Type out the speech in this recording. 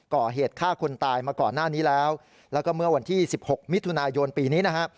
ก่อเหตุฆ่าคนตายมาก่อนหน้านี้แล้วแล้วก็เมื่อวันที่๑๖มิถุนายนปีนี้นะฮะ